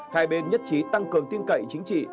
hai bên nhất trí tăng cường tin cậy chính trị